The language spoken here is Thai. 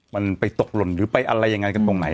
มันไปตกหล่นหรือไปอะไรยังไงกันตรงไหน